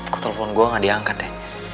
kok telepon gue gak diangkat deh